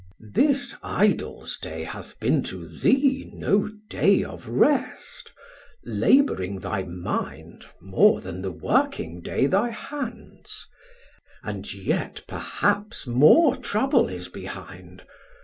This Idols day hath bin to thee no day of rest, Labouring thy mind More then the working day thy hands, And yet perhaps more trouble is behind.